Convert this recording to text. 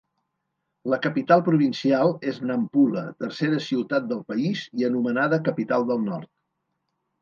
La capital provincial és Nampula, tercera ciutat del país i anomenada capital del nord.